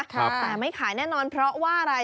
แต่ไม่ขายแน่นอนเพราะว่าอะไร